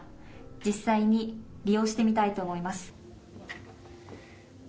実際に利用してみたいと思います。